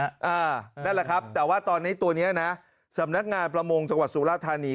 นั่นแหละครับแต่ว่าตอนนี้ตัวนี้นะสำนักงานประมงจังหวัดสุราธานี